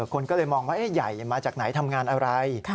คนก็เลยมองว่าใหญ่มาจากไหนทำงานอะไร